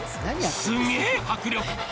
すんげぇ迫力！